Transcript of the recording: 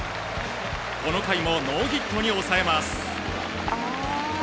この回もノーヒットに抑えます。